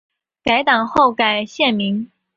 该党后改现名。